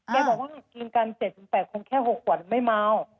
แกบอกว่ากินกัน๗๘คนแค่๖วันไม่เมา